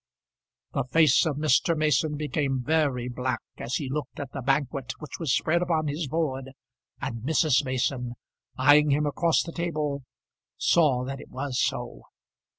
The face of Mr. Mason became very black as he looked at the banquet which was spread upon his board, and Mrs. Mason, eyeing him across the table, saw that it was so.